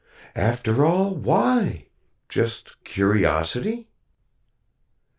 After all, why? Just curiosity?"